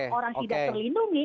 tapi hak orang tidak terlindungi